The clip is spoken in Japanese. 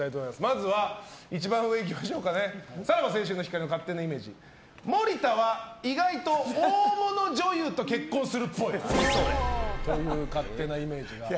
まずは、一番上さらば青春の光の勝手なイメージ森田は意外と大物女優と結婚するっぽいという勝手なイメージ。